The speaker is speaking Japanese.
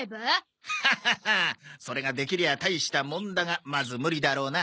ハハハそれができりゃ大したもんだがまず無理だろうな。